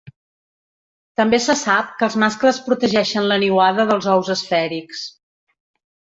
També se sap que els mascles protegeixen la niuada dels ous esfèrics.